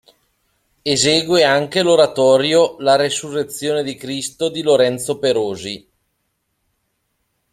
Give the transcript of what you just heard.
Esegue anche l'oratorio "La resurrezione di Cristo" di Lorenzo Perosi.